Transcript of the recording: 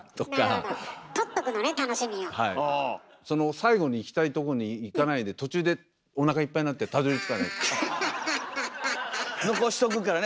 最後にいきたいとこにいかないで途中でおなかいっぱいになって残しとくからね。